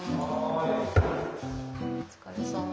お疲れさま。